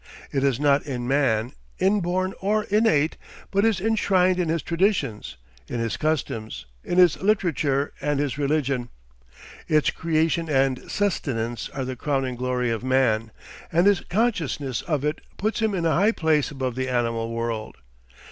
It is not in man, inborn or innate, but is enshrined in his traditions, in his customs, in his literature and his religion. Its creation and sustenance are the crowning glory of man, and his consciousness of it puts him in a high place above the animal world.